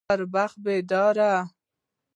پر بخت بيداره